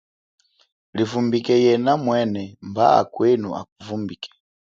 Livumbike yena mwena mba akwenu aku vumbike.